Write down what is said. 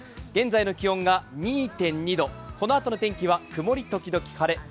現在の気温が２．２度、このあとの天気は曇り時々晴れ。